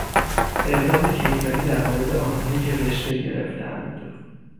اقدام کیفری در مورد آنهایی که رشوه گرفتهاند